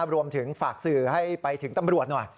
รวมถึงฝากสื่อให้ไปถึงตำรวจหน่อย